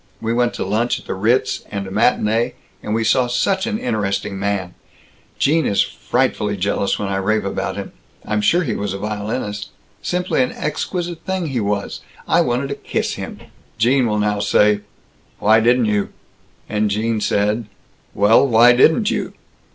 We went to lunch at the Ritz, and a matinée, and we saw such an interesting man Gene is frightfully jealous when I rave about him I'm sure he was a violinist simply an exquisite thing he was I wanted to kiss him. Gene will now say, 'Why didn't you?'" And Gene said, "Well, why didn't you?"